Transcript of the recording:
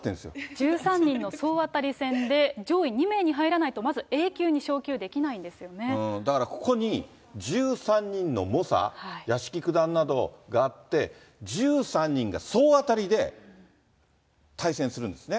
１３人の総当たり戦で、上位２名に入らないとまずＡ級に昇級だから、ここに１３人の猛者、屋敷九段などがいて、１３人が総当たりで対戦するんですね。